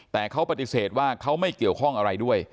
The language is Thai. แต่เขาปฏิเสธว่าเขาไม่เกี่ยวข้องอะไรด้วย